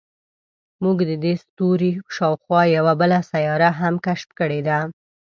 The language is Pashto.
موږ د دې ستوري شاوخوا یوه بله سیاره هم کشف کړې ده.